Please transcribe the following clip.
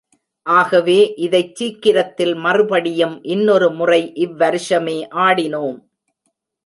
ஆகவே, இதைச் சீக்கிரத்தில் மறுபடியும் இன்னொரு முறை இவ்வருஷமே ஆடினோம்.